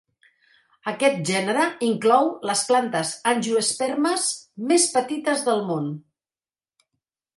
Aquest gènere inclou les plantes angiospermes més petites del món.